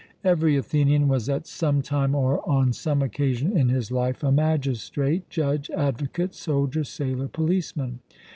Every Athenian was at some time or on some occasion in his life a magistrate, judge, advocate, soldier, sailor, policeman.